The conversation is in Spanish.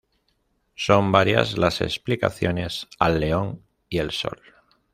Son varias las explicaciones al león y el sol.